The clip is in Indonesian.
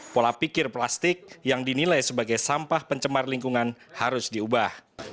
pola pikir plastik yang dinilai sebagai sampah pencemar lingkungan harus diubah